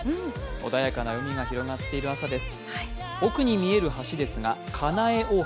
穏やかな海が広がっている朝です。